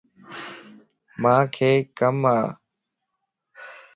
مانک ڪم ا